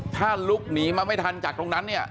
ถ้าลุกหนีมาไม่ทันจากตรงนั้นเนี่ย